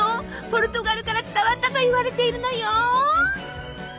ポルトガルから伝わったといわれているのよ。